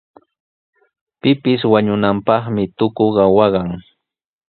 Pipis wañunanpaqmi tuku waqan.